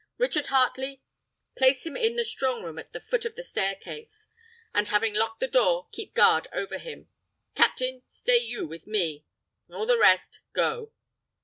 Richard Heartley, place him in the strong room at the foot of the stair case, and having locked the door, keep guard over him. Captain, stay you with me; all the rest, go."